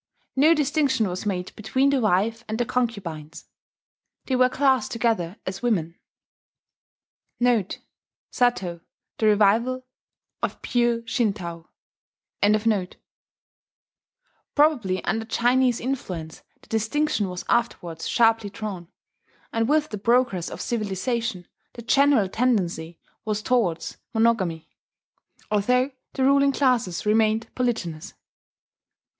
No distinction was made between the wife and the concubines: "they were classed together as 'women.'"* [*Satow: The Revival of Pure Shintau] Probably under Chinese influence the distinction was afterwards sharply drawn; and with the progress of civilization, the general tendency was towards monogamy, although the ruling classes remained polygynous.